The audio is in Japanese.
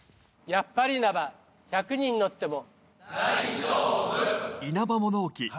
やっぱりイナバ１００人乗っても。